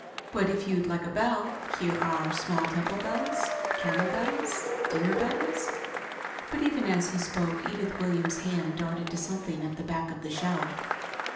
"But if you'd like a bell, here are small temple bells, camel bells, dinner bells...." But even as he spoke, Edith Williams' hand darted to something at the back of the shelf.